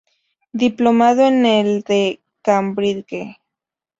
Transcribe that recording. Diplomado en el de Cambridge.